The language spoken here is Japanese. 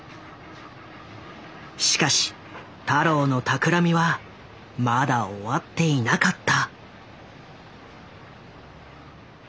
しかし太郎の企みはまだ終わっていなかった。